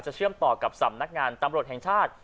เชื่อมต่อกับสำนักงานตำรวจแห่งชาติ